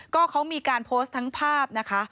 ก็เขามีการโพสต์ทั้งภาพนะคะ